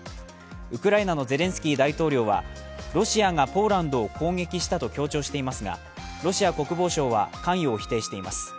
ウクライナのゼレンスキー大統領は、ロシアがポーランドを攻撃したと強調していますがロシア国防省は関与を否定しています。